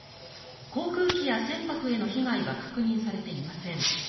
航空機や船舶への被害は確認されていません。